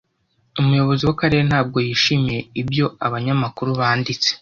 Umuyobozi w'akarere ntabwo yishimiye ibyo abanyamakuru banditse.